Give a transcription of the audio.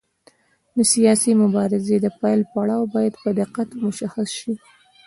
د سیاسي مبارزې د پیل پړاو باید په دقت مشخص شي.